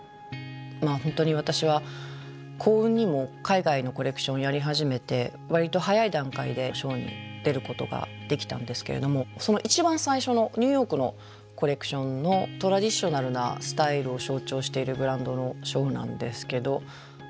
本当に私は幸運にも海外のコレクションやり始めて割と早い段階でショーに出ることができたんですけれどもその一番最初のニューヨークのコレクションのトラディショナルなスタイルを象徴しているブランドのショーなんですけど。